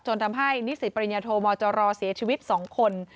ทำให้นิสิตปริญญาโทมจรเสียชีวิต๒คน